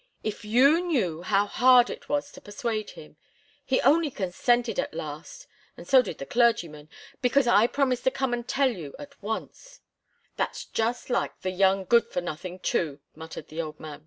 "If you knew how hard it was to persuade him! He only consented at last and so did the clergyman because I promised to come and tell you at once " "That's just like the young good for nothing, too!" muttered the old man.